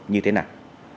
như thế nào